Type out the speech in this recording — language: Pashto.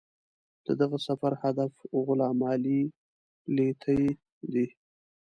د دغه سفر هدف غلام علي لیتي دی.